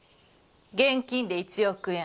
現金で１億円。